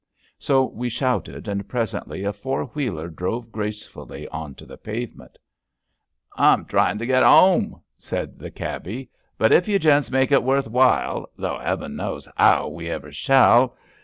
So we shouted, and presently a four wheeler drove gracefully on to the pavement. *^ I'm trying to get 'ome," said the cabby. *^ But if you gents make it worth while ... though heaven knows 'ow we ever shall.